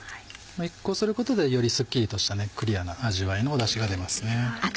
こうすることでよりスッキリとしたクリアな味わいのダシが出ますね。